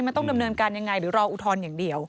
มันต้องดำเนินการยังไงหรือรออุทธรณ์อย่างเดียว